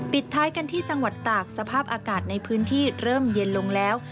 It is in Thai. ท้ายกันที่จังหวัดตากสภาพอากาศในพื้นที่เริ่มเย็นลงแล้ว